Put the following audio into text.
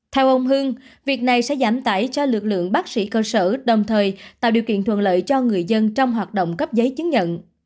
theo ông hương việc này sẽ giảm tải cho lực lượng bác sĩ cơ sở đồng thời tạo điều kiện thuận lợi cho người dân trong hoạt động cấp giấy chứng nhận